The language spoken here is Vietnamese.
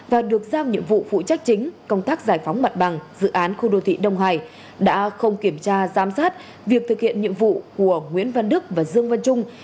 và được giao nhiệm vụ phụ trách chính công tác giải phóng mặt bằng dự án khu đô thị đông hải đã không kiểm tra giám sát việc thực hiện nhiệm vụ của nguyễn văn đức và dương văn trung